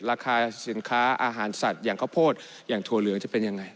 ราคาสินค้าอาหารสัตว์อย่างข้าวโพดอย่างถั่วเหลืองจะเป็นยังไง